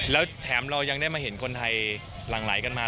แล้วแถมเรายังได้มาเห็นคนไทยหลั่งไหลกันมา